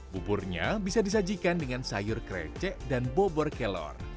buburnya bisa disajikan dengan sayur krecek dan bobor kelor